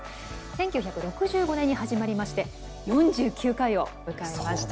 １９６５年に始まりまして４９回を迎えました。